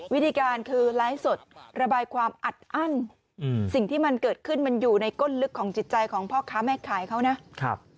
วิธีการคือไลฟ์สดระบายความอัดอั้นสิ่งที่มันเกิดขึ้นมันอยู่ในก้นลึกของจิตใจของพ่อค้าแม่ขายเขานะ